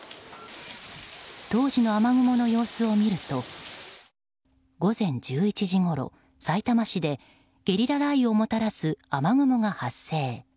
当時の雨雲の様子を見ると午前１１時ごろ、さいたま市でゲリラ雷雨をもたらす雨雲が発生。